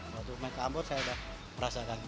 waktu naik ke ambon saya sudah merasakan